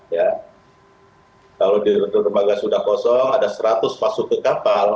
kalau di dermaga sudah kosong ada seratus masuk ke kapal